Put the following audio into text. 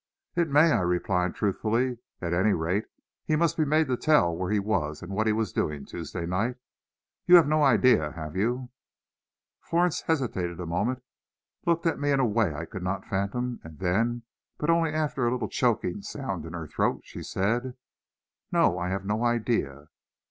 "It may," I replied truthfully. "At any rate, he must be made to tell where he was and what he was doing Tuesday night. You have no idea, have you?" Florence hesitated a moment, looked at me in a way I could not fathom, and then, but only after a little choking sound in her throat, she said, "No, I have no idea."